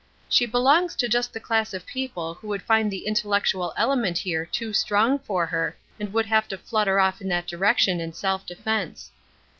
She belongs to just the class of people who would find the intellectual element here too strong for her, and would have to flutter off in that direction in self defense.